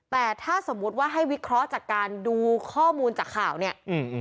แต่ถ้าสมมุติว่าให้วิเคราะห์จากการดูข้อมูลจากข่าวเนี้ยอืม